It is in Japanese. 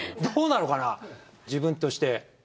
どうなのかな自分として。